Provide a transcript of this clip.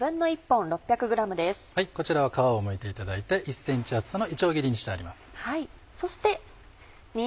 こちらは皮をむいていただいて１ｃｍ厚さのいちょう切りにしてあります。